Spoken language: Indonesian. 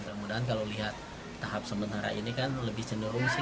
mudah mudahan kalau lihat tahap sementara ini kan lebih cenderung sih